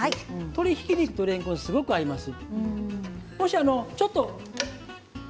鶏ひき肉とれんこんはすごく合います。